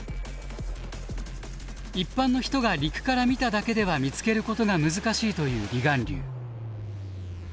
一般の人が陸から見ただけでは見つけることが難しいという離岸流。